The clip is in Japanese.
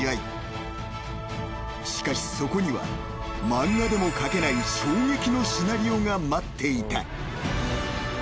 ［しかしそこにはマンガでも描けない衝撃のシナリオが待っていた］